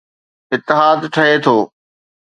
اتحاد ٺھي ٿو.